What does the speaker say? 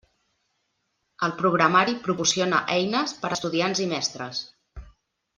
El programari proporciona eines per estudiants i mestres.